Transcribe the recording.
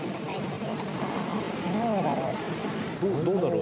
は、どうだろう。